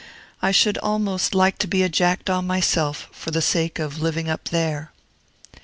I should almost like to be a jackdaw myself, for the sake of living up there.